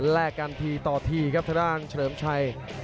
แรกกันทีต่อทีครับชะเหลิมชัย